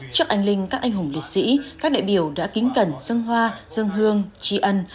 trước anh linh các anh hùng liệt sĩ các đại biểu đã kính cẩn dân hoa dân hương tri ân